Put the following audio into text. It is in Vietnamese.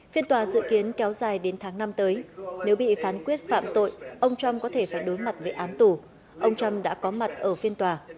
phiên tòa dự kiến kéo dài đến tháng năm tới nếu bị phán quyết phạm tội ông trump có thể phải đối mặt với án tù ông trump đã có mặt ở phiên tòa